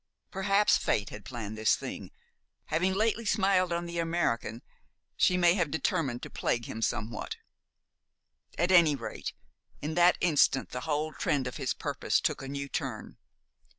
Perhaps Fate had planned this thing having lately smiled on the American, she may have determined to plague him somewhat. At any rate, in that instant the whole trend of his purpose took a new turn.